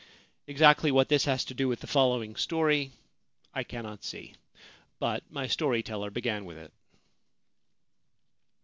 Exactly what this has to do with the following story I cannot see ; but my story teller began with it.